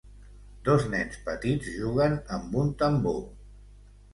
Dos nens petits juguen amb un tambor.